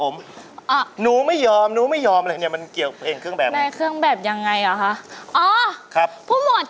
มันเล่นในเครื่องแบบอย่างไรครับผม